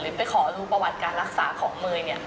หรือไปขอรูประวัติการรักษาของเมยนี่